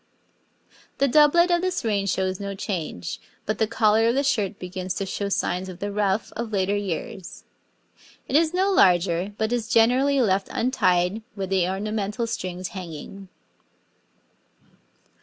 The doublet of this reign shows no change, but the collar of the shirt begins to show signs of the ruff of later years. It is no larger, but is generally left untied with the ornamental strings hanging.